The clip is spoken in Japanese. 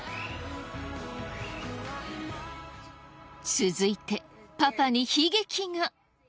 続いてパパに悲劇が。